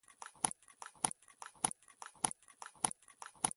شبرغان ښار ګاز لري؟